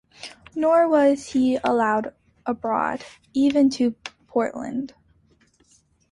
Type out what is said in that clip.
Nor was he allowed abroad, even to Poland.